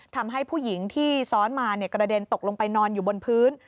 ทำให้ผู้หญิงที่ซ้อนมากระเด็นตกลงไปนอนอยู่บนพื้น